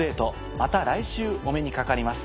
また来週お目にかかります。